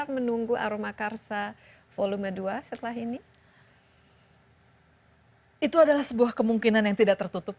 menunggu aroma karsa volume dua setelah ini itu adalah sebuah kemungkinan yang tidak tertutup